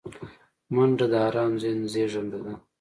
منډه د آرام ذهن زیږنده ده